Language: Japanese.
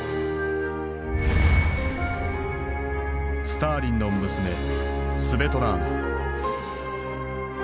スターリンの娘スヴェトラーナ。